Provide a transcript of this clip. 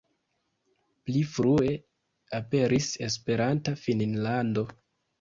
Pli frue aperis "Esperanta Finnlando".